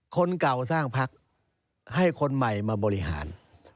คนเก่าสร้างพักให้คนใหม่มาบริหาร